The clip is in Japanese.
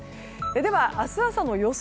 では、明日朝の予想